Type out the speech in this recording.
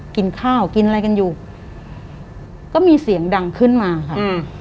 กินข้าวกินอะไรกันอยู่ก็มีเสียงดังขึ้นมาค่ะอืม